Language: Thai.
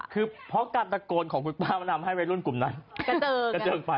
คือเพราะการตะโกนของคุณป้ามันทำให้วัยรุ่นกลุ่มนั้นกระเจิงไป